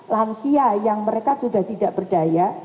lansia yang mereka sudah tidak berdaya